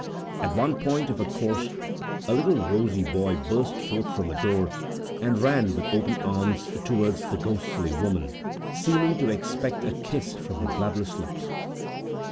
At one point of her course, a littly rosy boy burst forth from a door, and ran, with open arms, towards the ghostly woman, seeming to expect a kiss from her bloodless lips.